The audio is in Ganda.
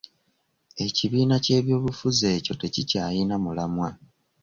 Ekibiina ky'ebyobufuzi ekyo tekikyayina mulamwa.